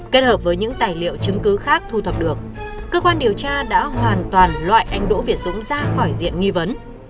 kết hợp với những tài liệu chứng cứ khác thu thập được cơ quan điều tra đã hoàn toàn loại anh đỗ việt dũng ra khỏi nhà